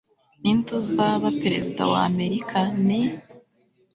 ninde uzaba perezida wa amerika? ni